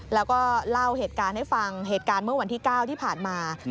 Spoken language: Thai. แล้วก็เล่าเหตุการณ์ให้ฟังเหตุการณ์เมื่อวันที่๙ที่ผ่านมา